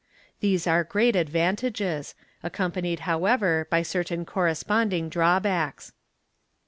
These are great advantages, accompanied however by certain corresponding drawbacks.